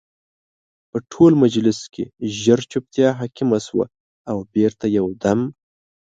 په ټول مجلس کې ژر جوپتیا حاکمه شوه او بېرته یو دم